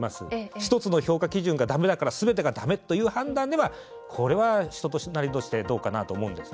１つの評価基準が、だめだからすべてがだめという評価ではこれは人となりとしてどうかなと思うんです。